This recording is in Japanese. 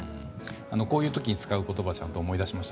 こういう時に使う言葉を思い出しました。